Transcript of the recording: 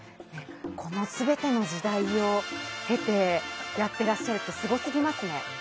この全ての時代を経てやってらっしゃるってすごすぎますね。